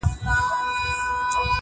لا تیاري دي مړې ډېوې نه دي روښانه,